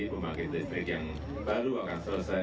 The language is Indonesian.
pemakaian listrik yang baru akan selesai